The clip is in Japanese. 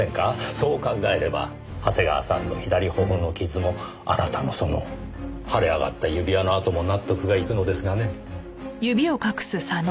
そう考えれば長谷川さんの左頬の傷もあなたのその腫れ上がった指輪の痕も納得がいくのですがね。